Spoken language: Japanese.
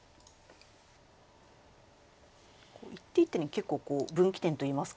一手一手に結構分岐点といいますか。